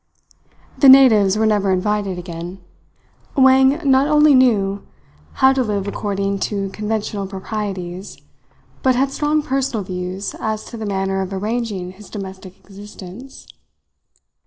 The natives were never invited again. Wang not only knew how to live according to conventional proprieties, but had strong personal views as to the manner of arranging his domestic existence.